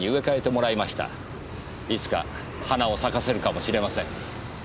いつか花を咲かせるかもしれません。